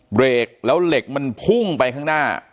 เบรกแล้วเหล็กมันพุ่งไปข้างหน้า